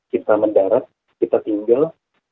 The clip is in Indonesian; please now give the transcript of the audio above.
kita mendarat kita tinggal